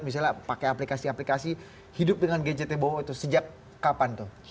misalnya pakai aplikasi aplikasi hidup dengan gadgetnya bohong itu sejak kapan tuh